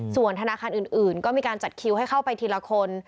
ส่วนธนาคารอื่นก็มีการจัดคิวให้เข้าไปทีละคน